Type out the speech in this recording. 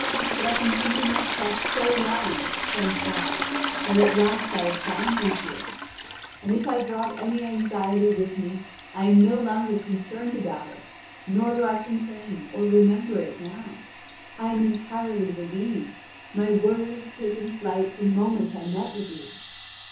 But I continued my quest so long, thank God, that at last I have found you here. And if I brought any anxiety with me, I am no longer concerned about it, nor do I complain or remember it now. I am entirely relieved; my worry has taken flight the moment I met with you.